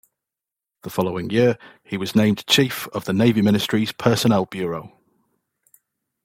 The following year, he was named chief of the Navy Ministry's Personnel Bureau.